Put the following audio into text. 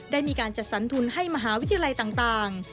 ได้มีการจัดสรรทุนให้มหาวิทยาลัยต่าง